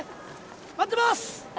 待ってます！